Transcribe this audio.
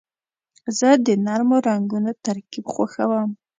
زه د نرمو رنګونو ترکیب خوښوم.